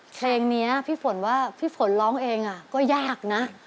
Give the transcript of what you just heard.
เพลงนี้พี่ฝนว่าพี่ฝนร้องเองก็ยากนะ